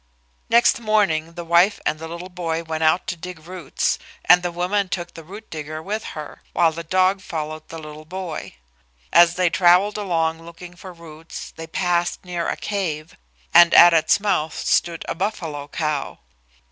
Next morning the wife and the little boy went out to dig roots, and the woman took the root digger with her, while the dog followed the little boy. As they travelled along looking for roots, they passed near a cave, and at its mouth stood a buffalo cow.